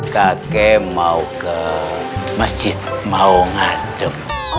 kakek mau ke masjid mau ngadem